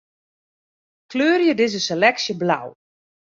Kleurje dizze seleksje blau.